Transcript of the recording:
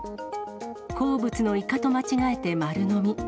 好物のイカと間違えて丸飲み。